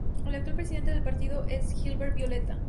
El actual presidente del partido es Gilbert Violeta.